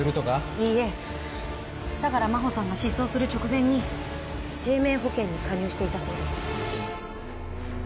いいえ相良真帆さんが失踪する直前に生命保険に加入していたそうです。